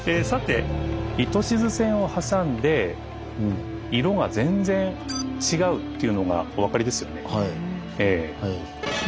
さて糸静線を挟んで色が全然違うっていうのがお分かりですよね？